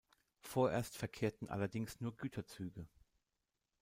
Vorerst verkehrten allerdings nur Güterzüge.